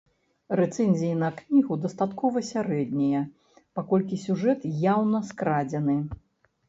Рэцэнзіі на кнігу дастаткова сярэднія, паколькі сюжэт яўна скрадзены.